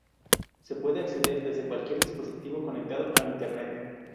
Se puede acceder desde cualquier dispositivo conectado a Internet.